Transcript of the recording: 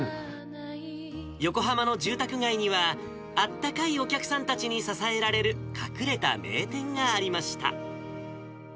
横浜の住宅街には、あったかいお客さんたちに支えられて隠れた名店がありました。